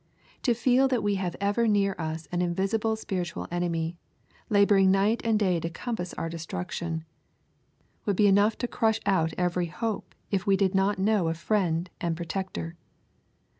To feel that we have ever near us an invisible spiritual enemy, laboring night and day to ^compass our destruction, would be enough to crush out every hope, if we did not know a Friend and Protector.